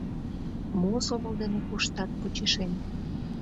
Мо сомыл дене коштат почешем?